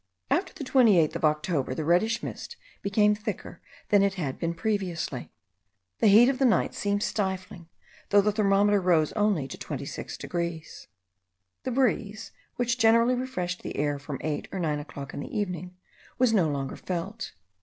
After the 28th of October, the reddish mist became thicker than it had previously been. The heat of the nights seemed stifling, though the thermometer rose only to 26 degrees. The breeze, which generally refreshed the air from eight or nine o'clock in the evening, was no longer felt.